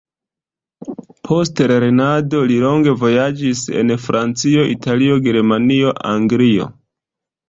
Post lernado li longe vojaĝis en Francio, Italio, Germanio, Anglio.